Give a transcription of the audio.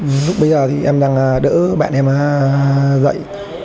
lúc bây giờ em đang đỡ bạn em dậy